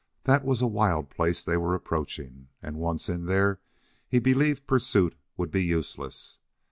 That was a wild place they were approaching, and, once in there, he believed pursuit would be useless.